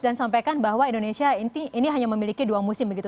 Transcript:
dan sampaikan bahwa indonesia ini hanya memiliki dua musim begitu